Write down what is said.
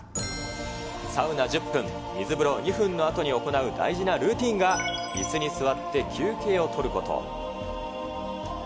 サウナ１０分、水風呂２分のあとに行う大事なルーティンが、いすに座って休憩をとること。